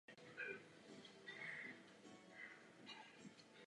Zvyšuje počet povinných předmětů vyučovaných v litevštině.